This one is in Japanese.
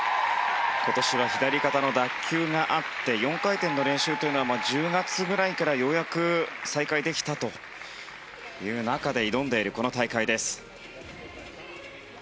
今年は左肩の脱臼があって４回転の練習は１０月ぐらいからようやく再開できたという中で挑んでいるこの大会です。